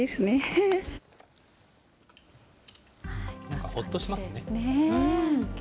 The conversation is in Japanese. なんかほっとしますね。